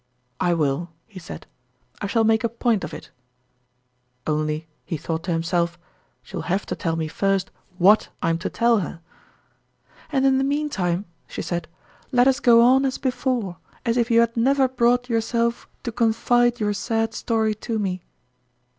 "I will," he said. "I shall make a point of it. Only," he thought to himself, "she will have to tell me first what I'm to tell her." 0ttrmalm's .first <JH)e<jtie. 35 " And in the mean time," she said, " let ITS go on as before, as if you had never brought yourself to confide your sad story to me."